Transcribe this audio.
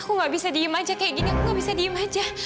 aku gak bisa diem aja kayak gini aku gak bisa diem aja